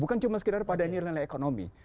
bukan cuma sekedar pada nilai nilai ekonomi